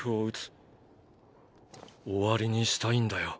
終わりにしたいんだよ